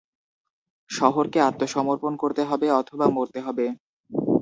শহরকে আত্মসমর্পণ করতে হবে অথবা মরতে হবে।